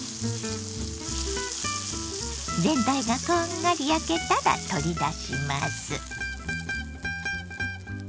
全体がこんがり焼けたら取り出します。